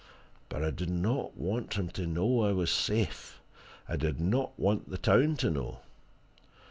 But I did not want him to know I was safe I did not want the town to know.